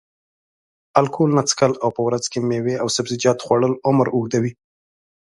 الکول نه څښل او په ورځ کې میوې او سبزیجات خوړل عمر اوږدوي.